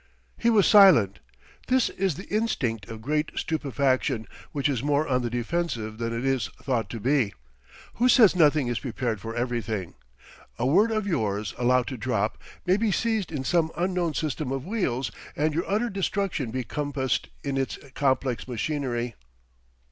He was silent. This is the instinct of great stupefaction, which is more on the defensive than it is thought to be. Who says nothing is prepared for everything. A word of yours allowed to drop may be seized in some unknown system of wheels, and your utter destruction be compassed in its complex machinery.